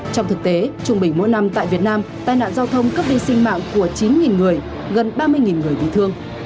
trong thực tế trung bình mỗi năm tại việt nam tai nạn giao thông cướp đi sinh mạng của chín người gần ba mươi người bị thương